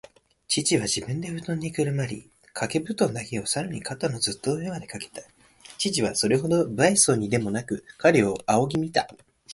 父は自分でふとんにくるまり、かけぶとんだけをさらに肩のずっと上までかけた。父はそれほど無愛想そうにでもなく、彼を仰ぎ見た。